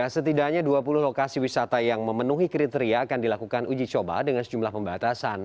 setidaknya dua puluh lokasi wisata yang memenuhi kriteria akan dilakukan uji coba dengan sejumlah pembatasan